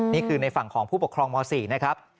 นี่คือในฝั่งของผู้ปกครองม๔นะครับ